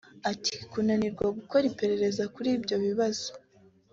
Ati “Kunanirwa gukora iperereza kuri ibyo bibazo